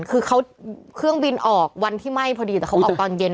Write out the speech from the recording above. คือเขาเครื่องบินออกวันที่ไหม้พอดีแต่เขาออกตอนเย็น